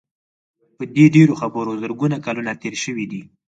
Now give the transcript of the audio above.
په دې ډېرو خبرو زرګونه کلونه تېر شوي دي.